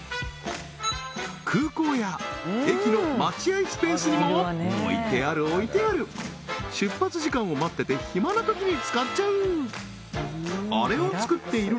空港や駅の待合スペースにも置いてある置いてある出発時間を待ってて暇なときに使っちゃう！